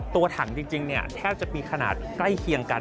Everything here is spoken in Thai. ตัวถังจริงแทบจะมีขนาดใกล้เคียงกัน